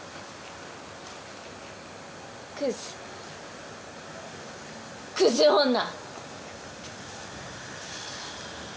「クズクズ女！」